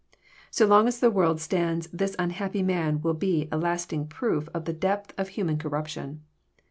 So long as the world stands this unhappy man will be a lasting proof of the depth of human corruption.